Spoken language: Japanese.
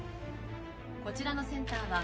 「こちらのセンターは」